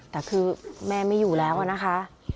แต่คือแม่ไม่อยู่แล้วอะนะคะ